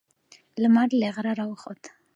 لمر له غره راوخوت.